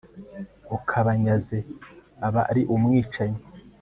ukabanyaze aba ari umwicanyi